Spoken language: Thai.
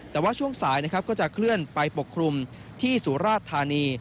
แต่ว่าช่วงสายจะคลื่นไปปกครุมที่สุรธารณี